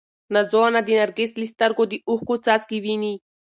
نازو انا د نرګس له سترګو د اوښکو څاڅکي ویني.